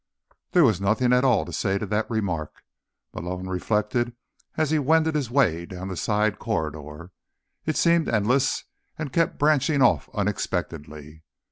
There was nothing at all to say to that remark, Malone reflected as he wended his way down the side corridor. It seemed endless, and kept branching off unexpectedly.